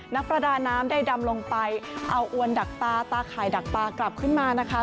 นักประดาน้ำได้ดำลงไปเอาอวนดักตาตาข่ายดักปลากลับขึ้นมานะคะ